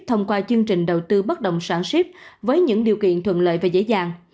thông qua chương trình đầu tư bất động sản ship với những điều kiện thuận lợi và dễ dàng